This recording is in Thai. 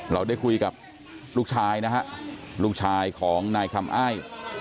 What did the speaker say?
เราได้คุยกับลูกชายนะฮะลูกชายของนายคำอ้าย